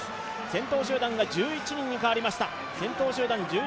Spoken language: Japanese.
先頭集団が１１人に変わりました。